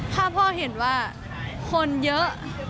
ถ้าพ่อเห็นว่าคนเยอะ